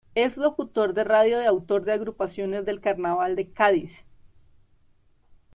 Es locutor de radio y autor de agrupaciones del carnaval de Cádiz.